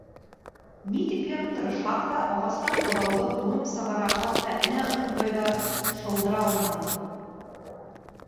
Ни тиклем тырышһаҡ та, ағастан ҡаҙауҙы һурып сығара, хатта энә осондай ҙа шылдыра алманыҡ.